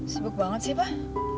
sebuk banget sih pak